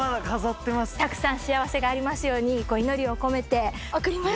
たくさん幸せがありますように祈りを込めて贈ります。